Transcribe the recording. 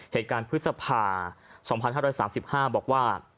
เหตุการณ์พฤษภา๒๕๓๕บอกว่า